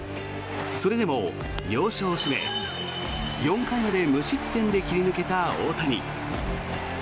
それでも要所を締め４回まで無失点で切り抜けた大谷。